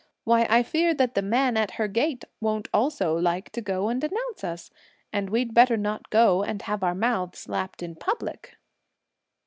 Why I fear that the man at her gate won't also like to go and announce us! and we'd better not go and have our mouths slapped in public!"